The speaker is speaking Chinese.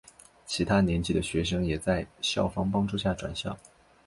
其他年级的学生也在校方帮助下转校。